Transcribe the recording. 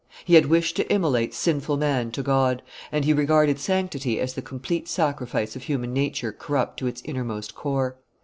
He had wished to immolate sinful man to God, and he regarded sanctity as the complete sacrifice of human nature corrupt to its innermost core.